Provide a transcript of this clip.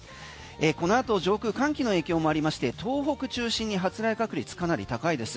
このあと上空寒気の影響もありまして東北中心に発雷確率かなり高いです。